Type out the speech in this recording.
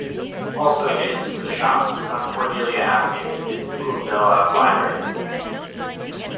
Also adjacent to the shops, on Cordelia Avenue is the Coolbellup library.